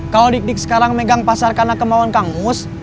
kalau dik dik sekarang megang pasarkan akemawan kang emus